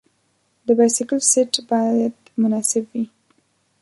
د بایسکل سیټ باید مناسب وي.